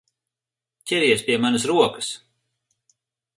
Ķeries pie manas rokas!